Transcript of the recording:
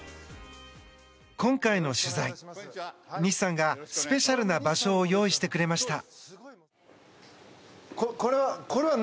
今回の取材、西さんがスペシャルな場所を用意してくれました。